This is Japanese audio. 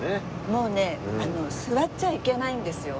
もうね座っちゃいけないんですよ